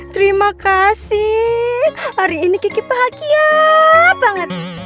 terima kasih hari ini kiki bahagia banget